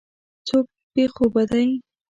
څوک بې خوبه دی.